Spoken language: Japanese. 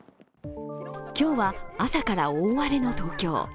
今日は朝から大荒れの東京。